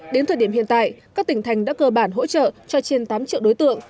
đến thời điểm hiện tại các tỉnh thành đã cơ bản hỗ trợ cho trên tám triệu đối tượng